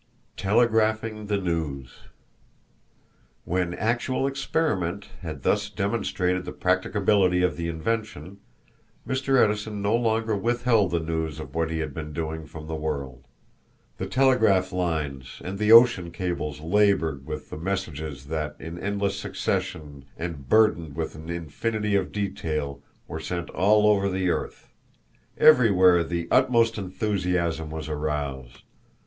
Telegraphing the News. When actual experiment had thus demonstrated the practicability of the invention, Mr. Edison no longer withheld the news of what he had been doing from the world. The telegraph lines and the ocean cables labored with the messages that in endless succession, and burdened with an infinity of detail, were sent all over the earth. Everywhere the utmost enthusiasm was aroused.